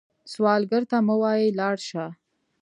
سوالګر ته مه وايئ “لاړ شه”